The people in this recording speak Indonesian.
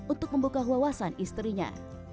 untuk membuka wawasan istrinya